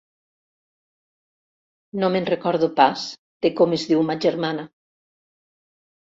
No me'n recordo pas, de com es diu ma germana.